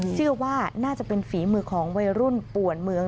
เชื่อว่าน่าจะเป็นฝีมือของวัยรุ่นป่วนเมือง